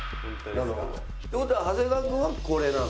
なるほど。っていう事は長谷川君はこれなの？